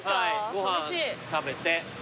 ご飯食べて。